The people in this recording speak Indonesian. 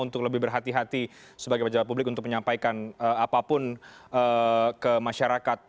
untuk lebih berhati hati sebagai pejabat publik untuk menyampaikan apapun ke masyarakat